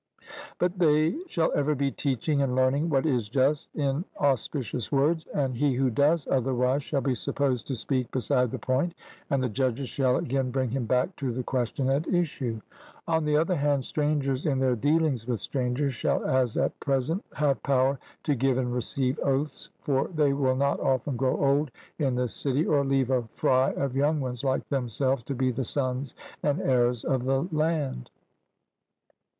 But they shall ever be teaching and learning what is just in auspicious words; and he who does otherwise shall be supposed to speak beside the point, and the judges shall again bring him back to the question at issue. On the other hand, strangers in their dealings with strangers shall as at present have power to give and receive oaths, for they will not often grow old in the city or leave a fry of young ones like themselves to be the sons and heirs of the land.